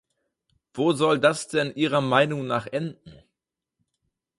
Wo soll das denn Ihrer Meinung nach enden?